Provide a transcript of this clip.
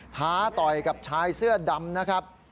ท้าต่อยกับชายเสื้อดำนะครับ